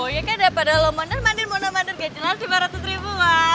ya kan daripada lo mandir mandir mandir mandir gajilan lima ratus ribu mbak